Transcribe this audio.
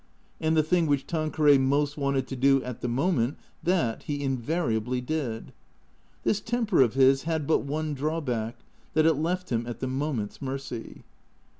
And the thing which Tanqueray most wanted to do at the moment that he invariably did. This temper of his had but one drawback, that it left him at the moment's mercy.